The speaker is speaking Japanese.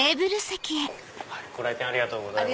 ご来店ありがとうございます。